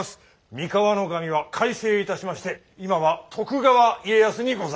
三河守は改姓いたしまして今は徳川家康にございます。